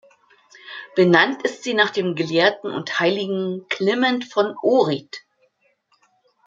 Benannt ist sie nach dem Gelehrten und Heiligen Kliment von Ohrid.